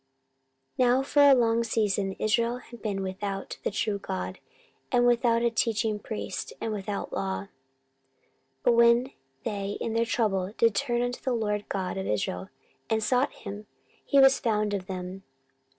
14:015:003 Now for a long season Israel hath been without the true God, and without a teaching priest, and without law. 14:015:004 But when they in their trouble did turn unto the LORD God of Israel, and sought him, he was found of them.